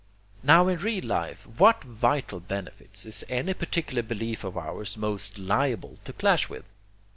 Now in real life what vital benefits is any particular belief of ours most liable to clash with?